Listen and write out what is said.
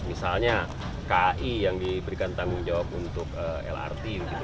misalnya kai yang diberikan tanggung jawab untuk lrt gitu